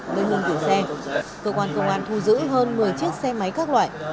cơ quan công an thu giữ hơn một mươi chiếc xe máy các loại